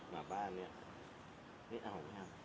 มาบ้านเนี่ยไม่เอา